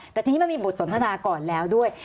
แต่ทีนี้มันมีบทสนทนาก่อนแล้วด้วย